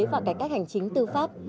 và cải cách hành chính tư pháp